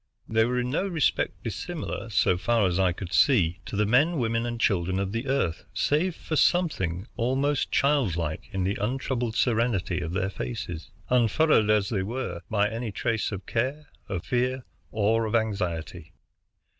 They were in no respect dissimilar, so far as I could see, to the men, women, and children of the Earth, save for something almost childlike in the untroubled serenity of their faces, unfurrowed as they were by any trace of care, of fear, or of anxiety.